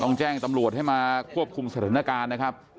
แจ้งตำรวจให้มาควบคุมสถานการณ์นะครับ